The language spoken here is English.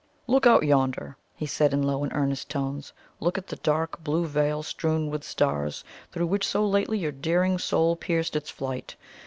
"Look out yonder." he said in low and earnest tones; "look at the dark blue veil strewn with stars, through which so lately your daring soul pierced its flight!